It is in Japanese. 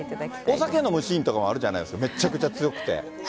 お酒飲むシーンとかもあるじゃないですか、めちゃくちゃ強くて。